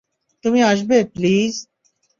তুমি আসবে, প্লিজ?